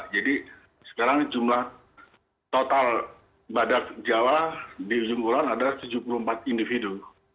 jadi sekarang jumlah total badak jawa di ujung kulon adalah tujuh puluh empat individu